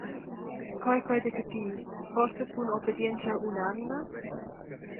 Co ei quei da capir, forsa cun obedientscha unanima?